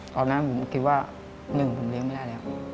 ตอนนั้นผมคิดว่าหนึ่งผมเลี้ยงไม่ได้แล้ว